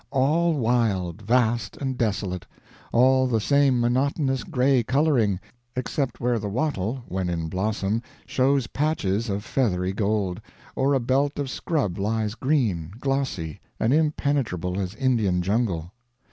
All wild, vast and desolate; all the same monotonous gray coloring, except where the wattle, when in blossom, shows patches of feathery gold, or a belt of scrub lies green, glossy, and impenetrable as Indian jungle.